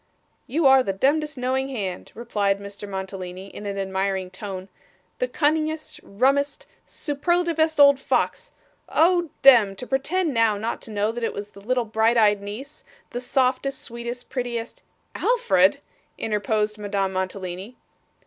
'You are the demdest, knowing hand,' replied Mr. Mantalini, in an admiring tone, 'the cunningest, rummest, superlativest old fox oh dem! to pretend now not to know that it was the little bright eyed niece the softest, sweetest, prettiest ' 'Alfred!' interposed Madame Mantalini.